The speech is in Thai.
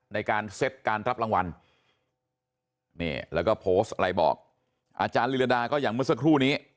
ในการเซ็ตการรับรางวัลนี่แล้วก็โพสต์อะไรบอกอาจารย์ลีลาดาก็อย่างเมื่อสักครู่นี้